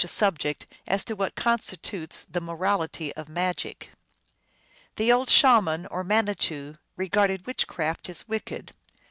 367 a subject as to what constitutes the morality of magic. The old Shaman or Manitou regarded witchcraft as wicked.